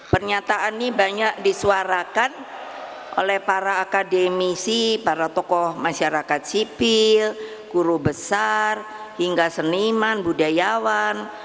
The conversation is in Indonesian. pernyataan ini banyak disuarakan oleh para akademisi para tokoh masyarakat sipil guru besar hingga seniman budayawan